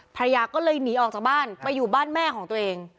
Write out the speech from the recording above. ภรรยาก็เลยหนีออกจากบ้านไปอยู่บ้านแม่ของตัวเอง